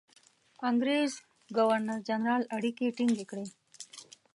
انګرېز ګورنرجنرال اړیکې ټینګ کړي.